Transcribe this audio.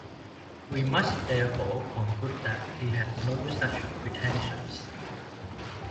We must therefore conclude that he had no such pretensions.